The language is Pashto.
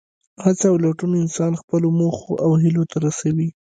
هڅه او لټون انسان خپلو موخو او هیلو ته رسوي.